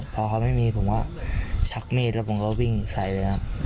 พอเขาไม่มีผมก็ชักมีดแล้วผมก็วิ่งใส่เลยครับ